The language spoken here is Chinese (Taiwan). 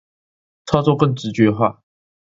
操作更直覺化